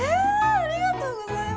ありがとうございます。